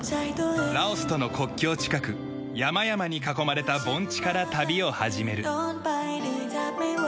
ラオスとの国境近く山々に囲まれた盆地から旅を始める。